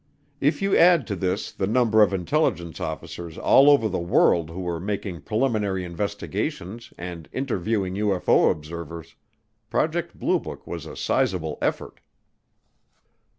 If you add to this the number of intelligence officers all over the world who were making preliminary investigations and interviewing UFO observers, Project Blue Book was a sizable effort.